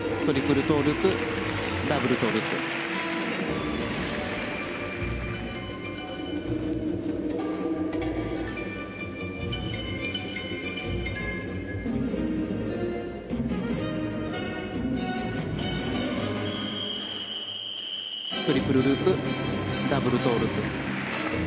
トリプルループダブルトウループ。